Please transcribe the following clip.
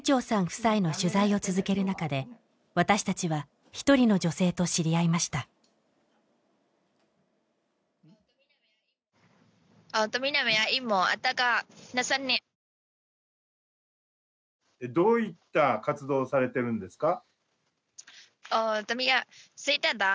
夫妻の取材を続ける中で私たちは一人の女性と知り合いましたどういった活動をされてるんですか？